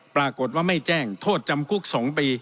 ปรากฏว่าไม่แจ้งโทษจำคุก๒ปี